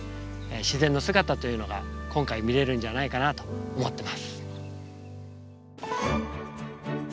自然の姿というのが今回見れるんじゃないかなと思ってます。